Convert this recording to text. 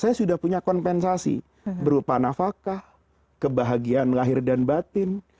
saya sudah punya kompensasi berupa nafakah kebahagiaan lahir dan batin